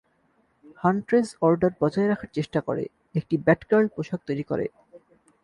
Huntress order বজায় রাখার চেষ্টা করে, একটি ব্যাটগার্ল পোশাক তৈরি করে।